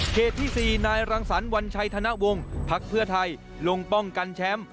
ที่๔นายรังสรรควัญชัยธนวงพักเพื่อไทยลงป้องกันแชมป์